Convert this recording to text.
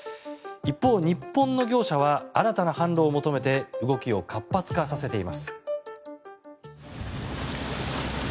一方、日本の業者は新たな販路を求めて動きを活発化させています。